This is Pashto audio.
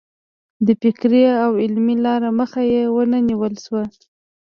د فکري او علمي لار مخه یې ونه نیول شوه.